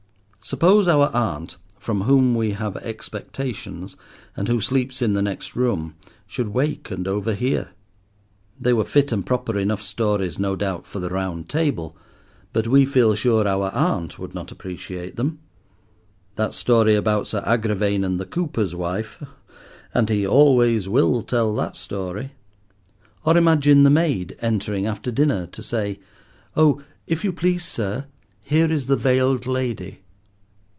Suppose our aunt, from whom we have expectations, and who sleeps in the next room, should wake and overhear! They were fit and proper enough stories, no doubt, for the Round Table, but we feel sure our aunt would not appreciate them:—that story about Sir Agravain and the cooper's wife! and he always will tell that story. Or imagine the maid entering after dinner to say— "Oh, if you please, sir, here is the veiled lady."